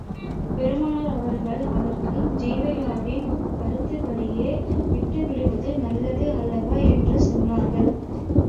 பெருமானார் அவர்கள் அதற்கு, ஜூவைரிய்யாவின் கருத்துப் படியே விட்டுவிடுவது நல்லது அல்லவா? என்று சொன்னார்கள்.